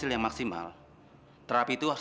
hi raya sama robin terugki tiga pilihannya